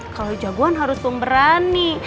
kalau jagoan harus pemberani